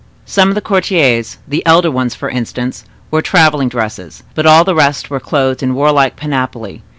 Some of the courtiers—the elder ones, for instance—wore traveling dresses; but all the rest were clothed in warlike panoply.